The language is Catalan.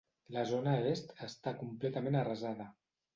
La zona est està completament arrasada.